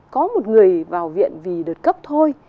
có một người vào viện vì đợt cấp thôi